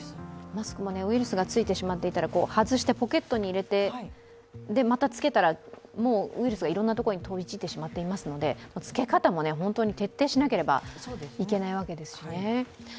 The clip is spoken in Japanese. マスクもウイルスがついてしまったら、外してポケットに入れて、で、また着けたらもうウイルスがいろんなところに飛び散ってしまっていますので、着け方も本当に徹底しなければいけないわけですね。